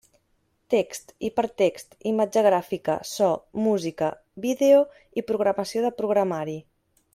Text, hipertext, imatge gràfica, so, música, vídeo i programació de programari.